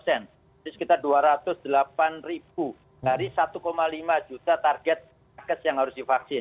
jadi sekitar dua ratus delapan dari satu lima juta target nakas yang harus divaksin